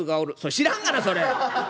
「知らんがなそれ！